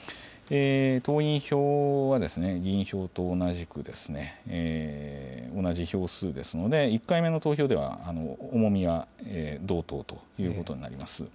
党員票は、議員票と同じく、同じ票数ですので、１回目の投票では重みが同等ということになります。